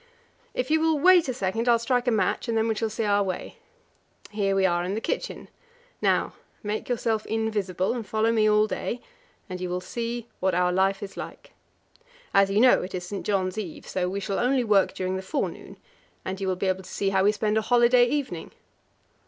"If you will wait a second I'll strike a match, and then we shall see our way. Here we are in the kitchen. Now make yourself invisible and follow me all day, and you will see what our life is like. As you know, it is St. John's Eve, so we shall only work during the forenoon; but you will be able to see how we spend a holiday evening.